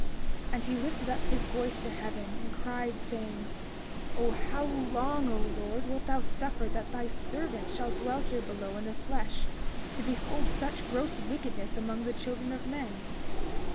31:26 And he lifted up his voice to heaven, and cried, saying: O, how long, O Lord, wilt thou suffer that thy servants shall dwell here below in the flesh, to behold such gross wickedness among the children of men?